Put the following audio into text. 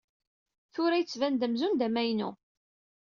Tura yettban-d amzun d amaynut.